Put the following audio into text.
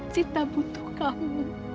sita butuh kamu